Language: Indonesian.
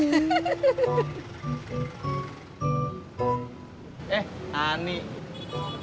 tirfak para warga dasar kelulusan